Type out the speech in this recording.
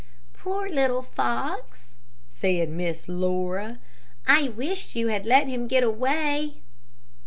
"Poor little fox," said Miss Laura. "I wish you had let him get away."